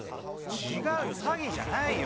違うよ詐欺じゃないよ！